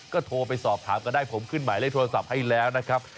ก็โทรไปสอบถามกันได้ผมขึ้นหมายเลขโทรศัพท์ให้แล้วนะครับ